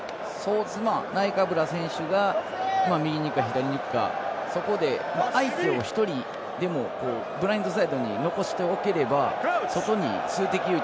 ナイカブラ選手が右にいくか、左にいくかそこで相手を１人でもブラインドするために残しておければ外に数的優位。